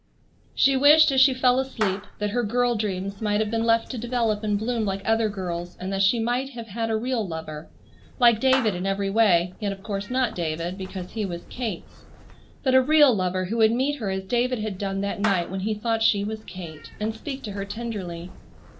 She wished as she fell asleep that her girl dreams might have been left to develop and bloom like other girls', and that she might have had a real lover,—like David in every way, yet of course not David because he was Kate's. But a real lover who would meet her as David had done that night when he thought she was Kate, and speak to her tenderly.